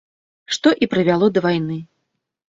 Што і прывяло да вайны.